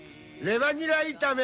レバニラ炒め。